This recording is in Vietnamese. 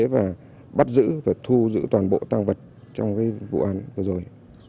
và bắt giữ và thu giữ toàn bộ tăng vật trong vụ án vừa rồi